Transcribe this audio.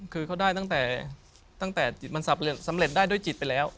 คือเขาได้ตั้งแต่จิตมันสับสำเร็จได้ด้วยจิตไปแล้ว